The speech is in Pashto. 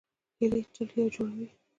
هیلۍ تل یو جوړ وي